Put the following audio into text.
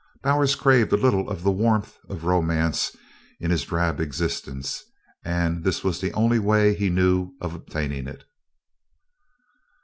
Bowers craved a little of the warmth of romance in his drab existence and this was the only way he knew of obtaining it.